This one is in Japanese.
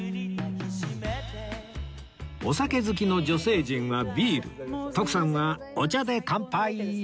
お酒好きの女性陣はビール徳さんはお茶で乾杯！